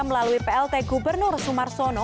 melalui plt gubernur sumarsono